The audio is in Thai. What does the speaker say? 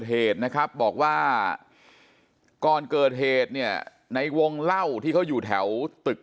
เหตุนะครับบอกว่าก่อนเกิดเหตุเนี่ยในวงเล่าที่เขาอยู่แถวตึก